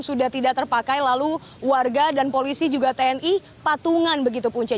sudah tidak terpakai lalu warga dan polisi juga tni patungan begitu punca